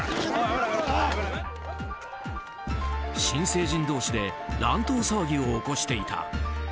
新成人同士で乱闘騒ぎを起こしていた。